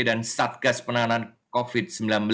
dan satgas penanganan covid sembilan belas